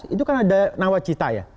itu kan ada nawacita ya